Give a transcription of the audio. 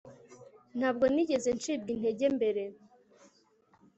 Ntabwo nigeze ncibwa intege mbere